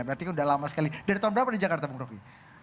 berarti sudah lama sekali dari tahun berapa di jakarta bung rocky